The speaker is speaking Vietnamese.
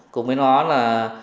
cùng với nó là